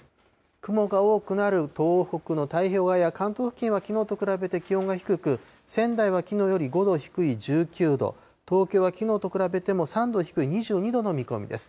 雲が多くなる東北の太平洋側や関東付近はきのうと比べて気温が低く、仙台はきのうより５度低い１９度、東京はきのうと比べても３度低い２２度の見込みです。